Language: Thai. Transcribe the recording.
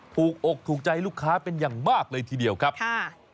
อกถูกใจลูกค้าเป็นอย่างมากเลยทีเดียวครับค่ะ